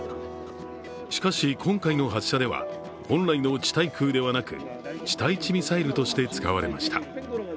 しかし、今回の発射では本来の地対空ではなく地対地ミサイルとして使われました。